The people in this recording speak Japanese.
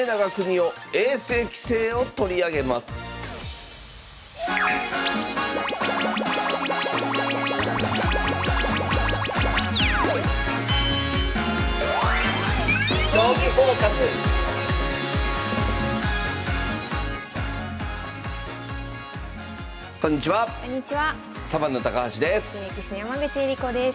女流棋士の山口恵梨子です。